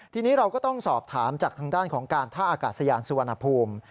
ทีนี้เราก็ต้องสอบถามจากทางด้านของการท่าอากาศยานสุวรรณภูมิ